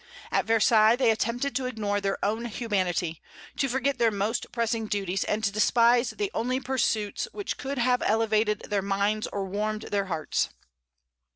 At Versailles they attempted to ignore their own humanity, to forget their most pressing duties, and to despise the only pursuits which could have elevated their minds or warmed their hearts.